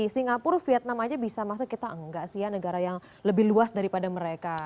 singapura vietnam aja bisa masa kita enggak sih ya negara yang lebih luas daripada mereka